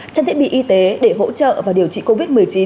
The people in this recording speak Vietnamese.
trang thiết bị y tế để hỗ trợ và điều trị covid một mươi chín